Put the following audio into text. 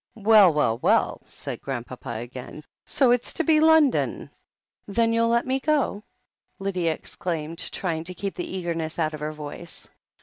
"Well, well, well," said Grandpapa again, "so it's to be London !" "Then you'll let me go," Lydia exclaimed, trying to keep the eagerness out of her voice.